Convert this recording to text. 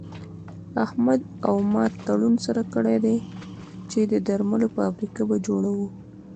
احمد او ما تړون سره کړی دی چې د درملو فابريکه به جوړوو.